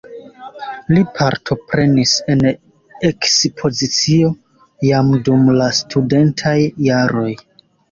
Li partoprenis en ekspozicio jam dum la studentaj jaroj.